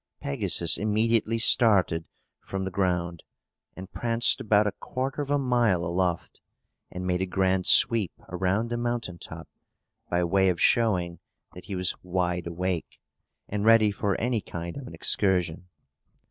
Pegasus immediately started from the ground, and pranced about a quarter of a mile aloft, and made a grand sweep around the mountain top, by way of showing that he was wide awake, and ready for any kind of an excursion.